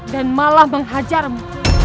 dan malah menghajarmu